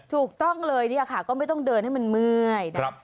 ถูกต้องเลยเนี่ยค่ะก็ไม่ต้องเดินให้มันเมื่อยนะ